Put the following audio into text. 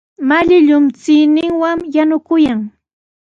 Malli llumchuyninwan yanukuykan.